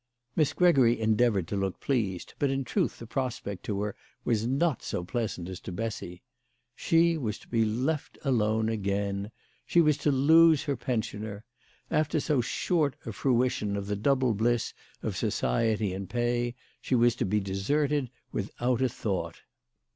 Miss Gregory endeavoured to look pleased, but in truth the prospect to her was not so pleasant as to Bessy. She was to be left alone again. She was to lose her pensioner. After so short a fruition of the double bliss of society and pay, she was to be deserted without a thought.